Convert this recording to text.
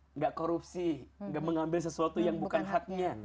tidak korupsi tidak mengambil sesuatu yang bukan haknya